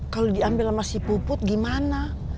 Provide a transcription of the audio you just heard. kalau diambil sama si puput gimana